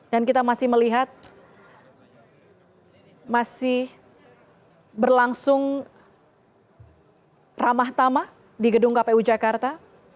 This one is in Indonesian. dan kita masih melihat masih berlangsung ramah tamah di gedung kpu jakarta